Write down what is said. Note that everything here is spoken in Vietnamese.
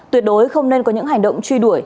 tuyệt đối không nên có những hành động truy đuổi